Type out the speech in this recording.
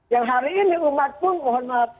yang hari ini umat pun mohon maaf